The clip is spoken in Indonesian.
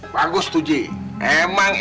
bagus tuh ji emang